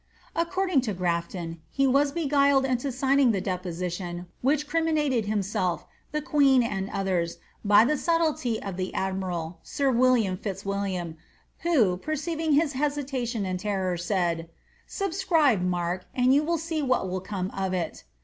According to Graf ton, he was beguiled into signing the deposition which criminated him self, the queen, and others, by the subtlety of the admiral, sir William Fitzwilliam, who, perceiving his hesitation and terror, said, *^ Subscribe, 3fark, and you will see what will come of it."